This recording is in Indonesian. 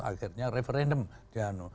akhirnya referendum dihanu